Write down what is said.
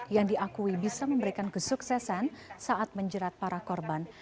yang diakui bisa memberikan kesuksesan saat menjerat para korban